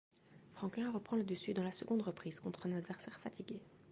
Franklin reprend le dessus dans la seconde reprise contre un adversaire fatigué.